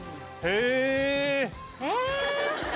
え！